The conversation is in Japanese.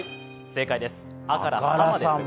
正解です。